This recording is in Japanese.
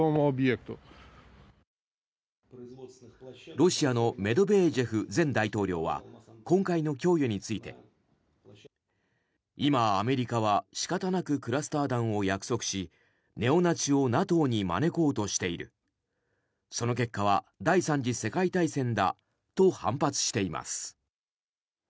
ロシアのメドベージェフ前大統領は今回の供与について。ネオナチをＮＡＴＯに招こうとしているその結果は第３次世界大戦だと反発しています。